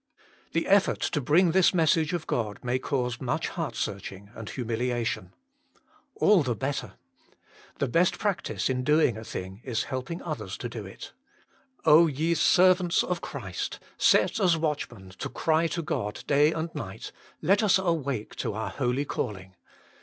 The effort to bring this message of God may cause much heart searching and humiliation. All the better. The best practice in doing a thing is helping others to do it. O ye servants of Christ, set as watchmen to cry to God day and night, let us awake to our holy calling.